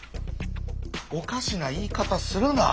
おかしな言い方するな。